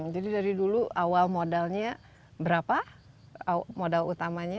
jadi dari dulu awal modalnya berapa modal utamanya